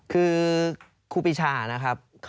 คือครูปีชานะครับ